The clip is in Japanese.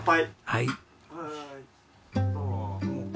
はい。